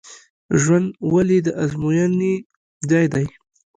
ژوند ولې د ازموینې ځای دی؟